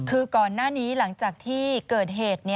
คือก่อนหน้านี้หลังจากที่เกิดเหตุ